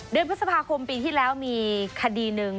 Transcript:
เดือนพฤษภาคมปีที่แล้วมีคดีหนึ่ง